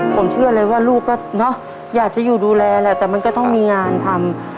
ผมเชื่อเลยว่าลูกก็เนอะอยากจะอยู่ดูแลแหละแต่มันก็ต้องมีงานทำ